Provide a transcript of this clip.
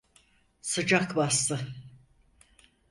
Sıcak bastı…